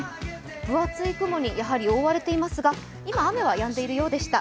分厚い雲に覆われていますが、今雨はやんでいるようでした。